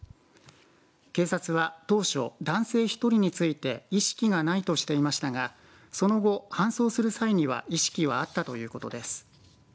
警察は当初、男性１人について意識がないとしてましたがその後、搬送する際には意識はあったということです。